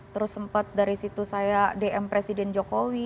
terus sempat dari situ saya dm presiden jokowi